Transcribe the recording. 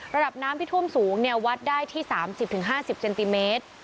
ระดับน้ำที่ท่วมสูงวัดได้ที่๓๐๕๐เซนติเมตร